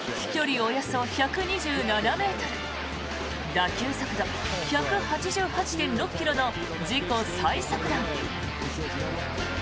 およそ１２７ｍ打球速度１８８．６ｋｍの自己最速弾。